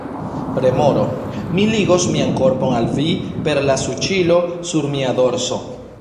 Remoro: "Mi ligos mian korpon al vi per la suĉilo sur mia dorso!"